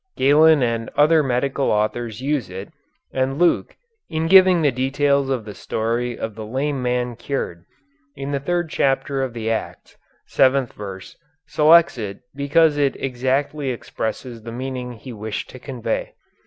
Galen and other medical authors use it, and Luke, in giving the details of the story of the lame man cured, in the third chapter of the Acts, seventh verse, selects it because it exactly expresses the meaning he wished to convey.